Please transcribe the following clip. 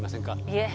いえ。